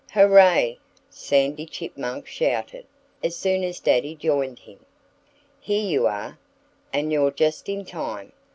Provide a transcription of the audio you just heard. "Hurrah!" Sandy Chipmunk shouted, as soon as Daddy joined him. "Here you are and you're just in time!